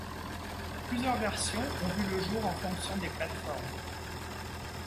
Plusieurs versions ont vu le jour en fonction des plates-formes.